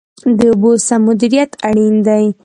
د اوبو سم مدیریت اړین دی